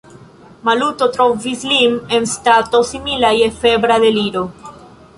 Maluto trovis lin en stato, simila je febra deliro.